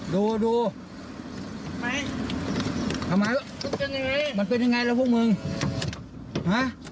ดูดูทำไมทำไมมันเป็นยังไงมันเป็นยังไงแล้วพวกมึงฮะ